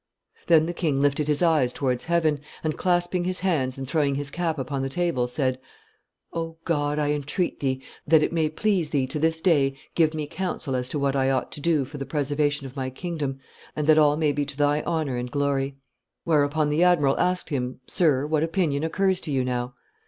Then the king lifted his eyes towards heaven, and, clasping his hands and throwing his cap upon the table, said, 'O God, I entreat Thee that it may please Thee to this day give me counsel as to what I ought to do for the preservation of my kingdom, and that all may be to Thy honor and glory!' Whereupon the admiral asked him, 'Sir, what opinion occurs to you now?